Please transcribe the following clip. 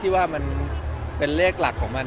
แต่ว่าเหลือกหลักของมัน